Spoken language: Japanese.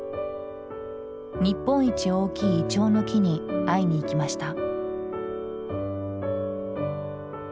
日本一大きいイチョウの木に会いに行きました。